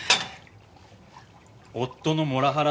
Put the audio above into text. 夫のモラハラです。